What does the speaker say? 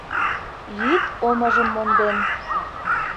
Йӱд омыжым монден